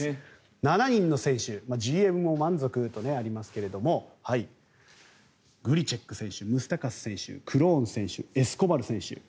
７人の選手ＧＭも満足とありますがグリチェック選手ムスタカス選手、クローン選手エスコバル選手。